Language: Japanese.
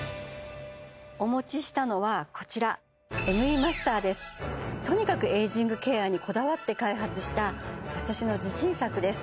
お持ちしたのはこちらとにかくエイジングケアにこだわって開発した私の自信作です